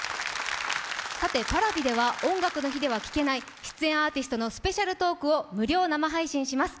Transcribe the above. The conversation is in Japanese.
さて、Ｐａｒａｖｉでは、「音楽の日」では聴けない出演アーティストのスペシャルトークを無料生配信します。